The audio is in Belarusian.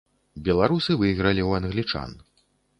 Беларусы выйгралі ў англічан.